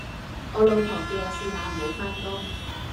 我老婆叫我試下唔好返工